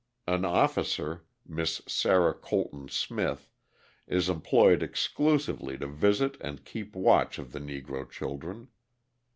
An officer, Miss Sarah Colton Smith, is employed exclusively to visit and keep watch of the Negro children.